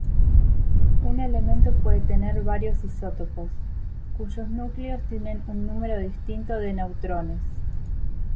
Un elemento puede tener varios isótopos, cuyos núcleos tienen un número distinto de neutrones.